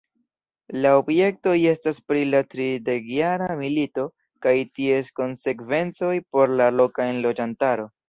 La objektoj estas pri la Tridekjara milito kaj ties konsekvencoj por la loka enloĝantaro.